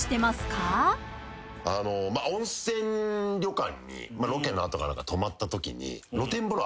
温泉旅館にロケの後か何か泊まったときに。